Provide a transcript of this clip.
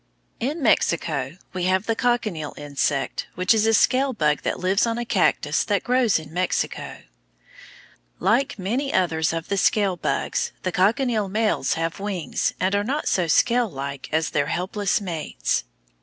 In Mexico we have the cochineal insect, which is a scale bug that lives on a cactus that grows in Mexico. Like many others of the scale bugs, the cochineal males have wings and are not so scalelike as their helpless mates.